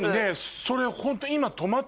それホント。